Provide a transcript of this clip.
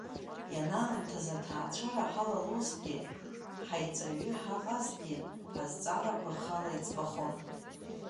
Ианаамҭаз аҭаацәара ҳалалозҭгьы, ҳаиҵаҩы ҳаҟазҭгьы, ҳазҵаарақәа рхала иӡбахон.